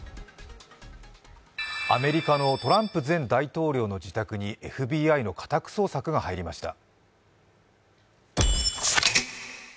アメリカのトランプ前大統領の自宅にＦＢＩの家宅捜索が入りました。